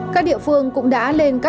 các địa phương cũng đã lên các